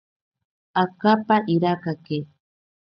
Akapa irakake.